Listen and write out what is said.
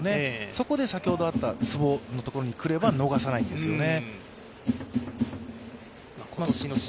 そこで先ほどあったツボのところに来れば、逃さないんですよね。